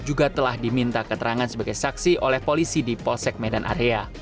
juga telah diminta keterangan sebagai saksi oleh polisi di polsek medan area